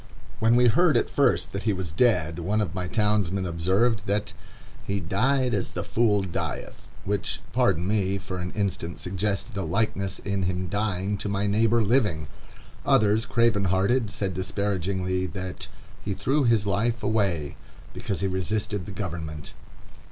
When we heard at first that he was dead, one of my townsmen observed that "he died as the fool dieth"; which, pardon me, for an instant suggested a likeness in him dying to my neighbor living. Others, craven hearted, said disparagingly, that "he threw his life away," because he resisted the government.